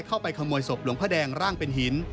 เข้าไปขโมยศพหลวงพ่อแดงร่างเป็นหิน